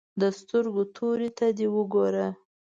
د سترګو تورې ته دې وګوره.